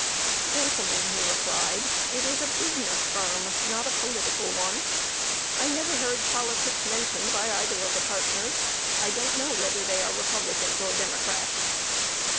"Gentlemen," he replied, "it is a business firm, not a political one. I never heard politics mentioned by either of the partners. I don't know whether they are Republicans or Democrats."